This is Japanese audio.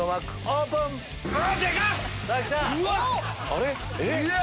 あれ？